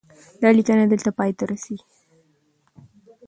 دا لیکنه دلته پای ته رسیږي.